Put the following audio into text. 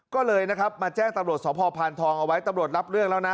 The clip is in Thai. ก็เลยนะครับมาแจ้งตำรวจสพพานทองเอาไว้ตำรวจรับเรื่องแล้วนะ